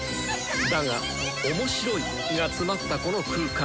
だが「面白い」が詰まったこの空間！